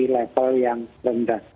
level yang rendah